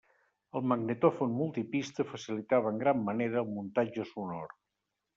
El magnetòfon multipista facilitava en gran manera el muntatge sonor.